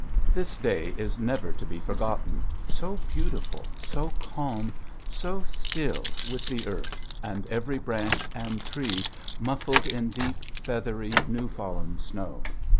This day is never to be forgotten, so beautiful, so calm, so still with the earth and every branch and tree muffled in deep, feathery, new fallen snow.